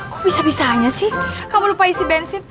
kok bisa bisanya sih kamu lupa isi bensin